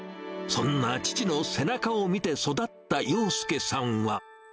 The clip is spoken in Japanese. そんな父の背中を見て育った要介さんは。